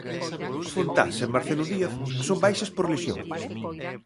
Fontás e Marcelo Díaz son baixas por lesión.